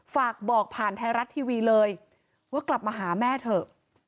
ฝากบอกผ่านไทยรัฐทีวีเลยว่ากลับมาหาแม่เถอะ